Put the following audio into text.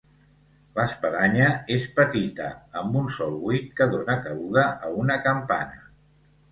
L'espadanya és petita, amb un sol buit que dóna cabuda a una campana.